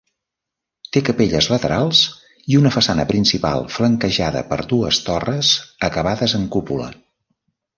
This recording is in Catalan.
Té capelles laterals i una façana principal flanquejada per dues torres acabades en cúpula.